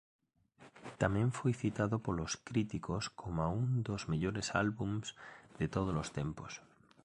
Tamén foi citado polos críticos como un dos mellores álbums de todos os tempos.